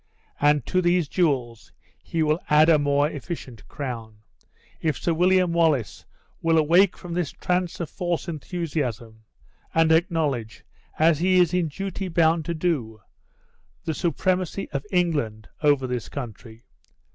And to these jewels, he will add a more efficient crown, if Sir William Wallace will awake from this trance of false enthusiasm, and acknowledge, as he is in duty bound to do, the supremacy of England over this country.